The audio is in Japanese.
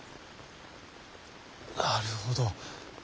なるほど。